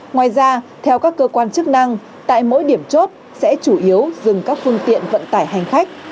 ngoài ra theo các cơ quan chức năng tại mỗi điểm chốt sẽ chủ yếu dừng các phương tiện vận tải hành khách